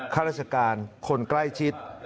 ข้าราชการคนใกล้ชิด